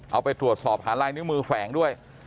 เอาไปตรวจสอบหาลายนิ้วมือแฝงด้วย